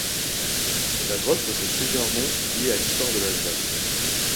La grotte possède plusieurs noms liés à l'histoire de l'Alsace.